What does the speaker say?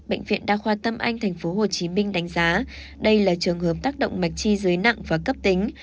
bệnh viện đa khoa tâm anh tp hcm đánh giá đây là trường hợp tác động mạch chi dưới nặng và cấp tính